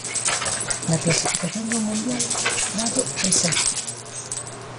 Na clasificación do mundial, Prado é sétimo.